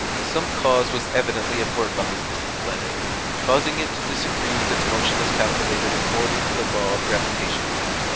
Some cause was evidently at work on this distant planet, causing it to disagree with its motion as calculated according to the law of gravitation.